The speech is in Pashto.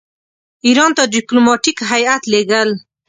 ایران ته ډیپلوماټیک هیات لېږل.